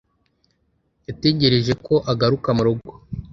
yategereje ko agaruka murugo